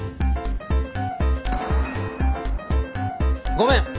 ごめん！